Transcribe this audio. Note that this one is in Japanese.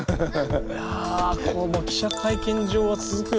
いやこの記者会見場は続くよ